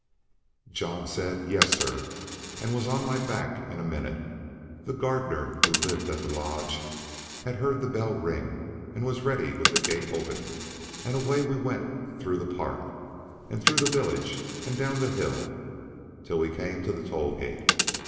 John said, "Yes, sir," and was on my back in a minute. The gardener who lived at the lodge had heard the bell ring, and was ready with the gate open, and away we went through the park, and through the village, and down the hill till we came to the toll gate.